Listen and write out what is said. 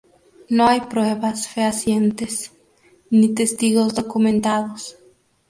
No hay pruebas fehacientes, ni testigos documentados.